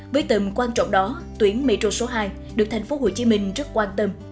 với tầm quan trọng đó tuyến metro số hai được tp hcm rất quan tâm